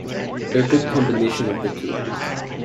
A good combination of the two.